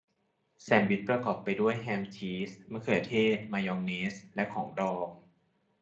แซนด์วิชประกอบไปด้วยแฮมชีสมะเขือเทศมายองเนสและของดอง